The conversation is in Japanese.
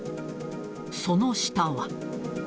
その下は。